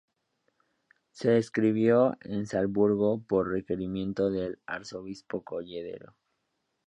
Se escribió en Salzburgo por requerimiento del Arzobispo Colloredo.